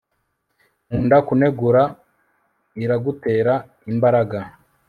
nkunda kunegura. iragutera imbaraga